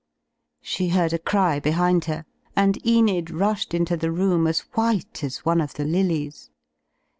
She heard a cry behind her, and Enid rushed into the room as white as one of the lilies.